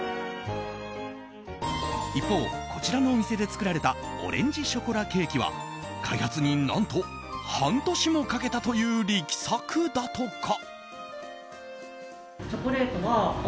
一方、こちらのお店で作られたオレンジショコラケーキは開発に何と半年もかけたという力作だとか。